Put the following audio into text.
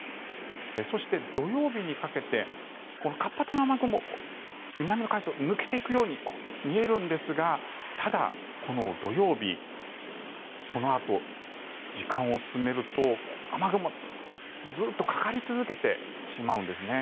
そして、土曜日にかけて活発な雨雲南の海上を抜けていくように見えるんですがただ、この土曜日このあと、時間を進めると雨雲、ずっとかかり続けてしまうんですね。